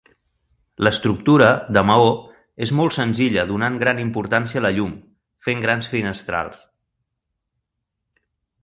L'estructura, de maó, és molt senzilla donant gran importància a la llum, fent grans finestrals.